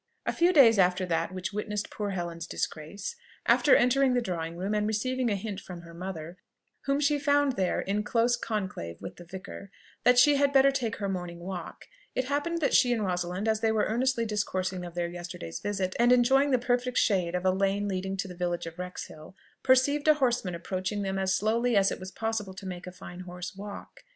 A few days after that which witnessed poor Helen's disgrace, after entering the drawing room and receiving a hint from her mother (whom she found there in close conclave with the vicar) that she had better take her morning walk, it happened that she and Rosalind, as they were earnestly discoursing of their yesterday's visit, and enjoying the perfect shade of a lane leading to the village of Wrexhill, perceived a horseman approaching them as slowly as it was possible to make a fine horse walk.